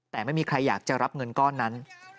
แต่ไม่มีใครอยากจะรับเงินก้อนนั้น